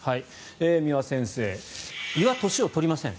三輪先生、胃は年を取りません。